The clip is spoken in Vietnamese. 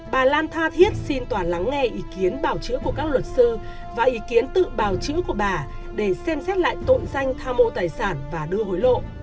bà lan tha thiết xin tòa lắng nghe ý kiến bảo chữa của các luật sư và ý kiến tự bào chữ của bà để xem xét lại tội danh tha mô tài sản và đưa hối lộ